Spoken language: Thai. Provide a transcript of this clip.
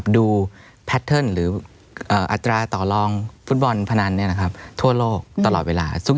แพทเทิร์นหรืออัตราต่อลองฟุตบอลพนันทั่วโลกตลอดเวลา